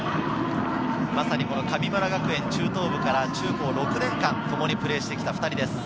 神村学園中等部から中高６年間、ともにプレーしてきた２人です。